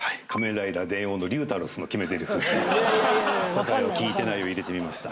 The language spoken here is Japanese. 「答えは聞いてない」を入れてみました。